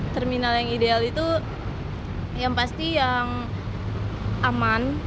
terminal yang ideal itu yang pasti yang aman